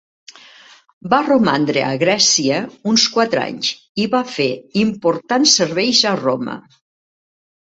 Va romandre a Grècia uns quatre anys i va fer importants serveis a Roma.